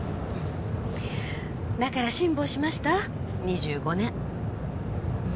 だから辛抱しました２５年。